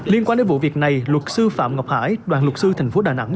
liên quan đến vụ việc này luật sư phạm ngọc hải đoàn luật sư thành phố đà nẵng